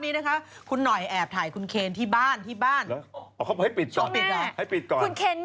ไปค่ะไปดูเลยค่ะภาพคุณเคน